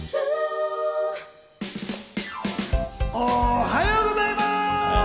おはようございます！